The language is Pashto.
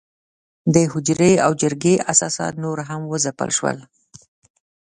د حجرې او جرګې اساسات نور هم وځپل شول.